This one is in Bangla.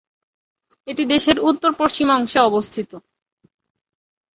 এটি দেশের উত্তর-পশ্চিম অংশে অবস্থিত।